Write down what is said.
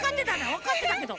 わかってたけど！